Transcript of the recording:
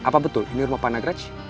apa betul ini rumah panagraj